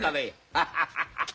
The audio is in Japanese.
ハハハハハ！